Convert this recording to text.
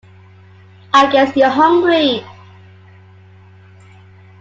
I guess you’re hungry.